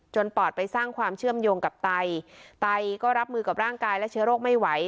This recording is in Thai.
ปอดไปสร้างความเชื่อมโยงกับไตก็รับมือกับร่างกายและเชื้อโรคไม่ไหว